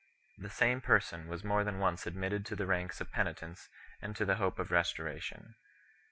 The same person was more than once admitted to the ranks of penitents and to the hope of restoration.